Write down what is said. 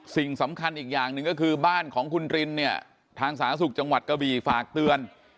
สิ่งสำคัญอีกอย่างหนึ่งก็คือบ้านของคุณรินเนี่ยทางสาธารณสุขจังหวัดกะบี่ฝากเตือน